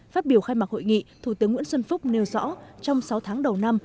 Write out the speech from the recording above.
phát biểu khai mạc hội nghị thủ tướng nguyễn xuân phúc nêu rõ trong sáu tháng đầu năm